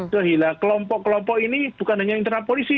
sohila kelompok kelompok ini bukan hanya internal polisi